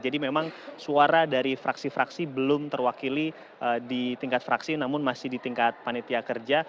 jadi memang suara dari fraksi fraksi belum terwakili di tingkat fraksi namun masih di tingkat panetia kerja